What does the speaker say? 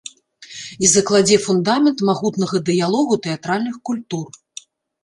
І закладзе фундамент магутнага дыялогу тэатральных культур.